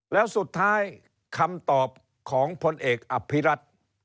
แล้วสุดท้ายคำตอบของพลเอกอภิรัต